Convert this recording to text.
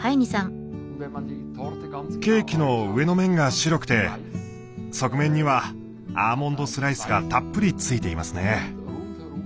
ケーキの上の面が白くて側面にはアーモンドスライスがたっぷりついていますね。